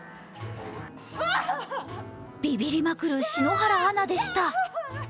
ビビりまくる篠原アナでした。